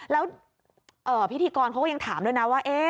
แล้วพิธีกรเขาก็ยังถามด้วยนะว่า